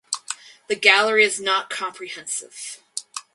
The gallery is not comprehensive.